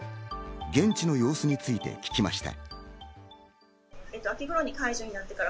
現地の様子について聞きました。